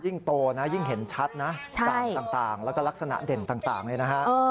โตนะยิ่งเห็นชัดนะด่านต่างแล้วก็ลักษณะเด่นต่างเลยนะฮะ